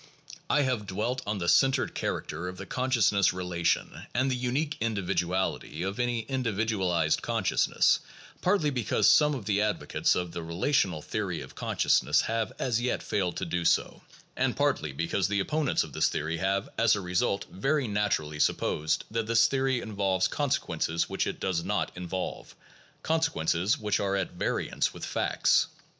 I have dwelt on the centered character of the consciousness relation and the unique individuality of any individualized con sciousness, partly because some of the advocates of the relational theory of consciousness have as yet failed to do so, and partly because the opponents of this theory have, as a result, very natu rally supposed that this theory involves consequences which it does not involve, consequences which are at variance with facts.